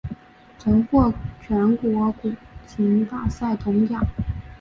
曾获全国古琴大赛铜奖。